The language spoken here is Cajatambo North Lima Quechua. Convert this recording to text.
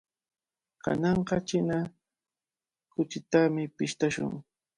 Kananqa china kuchitami pishtashun.